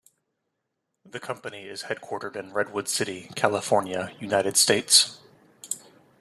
The company is headquartered in Redwood City, California, United States.